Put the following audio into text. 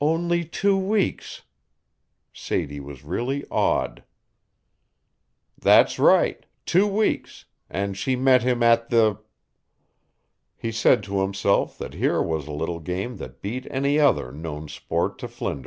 "Only two weeks." Sadie was really awed. "That's right two weeks; and she met him at the" He said to himself that here was a little game that beat any other known sport to flinders.